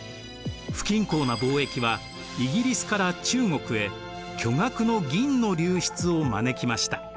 不均衡な貿易はイギリスから中国へ巨額の銀の流出を招きました。